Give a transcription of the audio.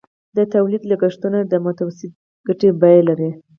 د تولید لګښتونه د متوسطې ګټې بیه لري